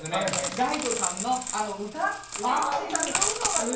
ガイドさんのあの歌歌っていうのがですね